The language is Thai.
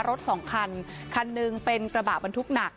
สองคันคันหนึ่งเป็นกระบะบรรทุกหนัก